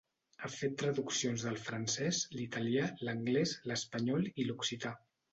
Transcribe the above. Ha fet traduccions del francès, l’italià, l’anglès, l’espanyol i l’occità.